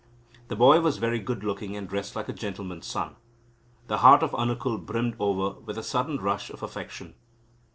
The boy was very good looking and dressed like a gentleman's son. The heart of Anukul brimmed over with a sudden rush of affection.